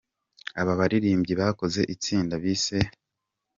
Aba baririmbyi bakoze itsinda bise "A.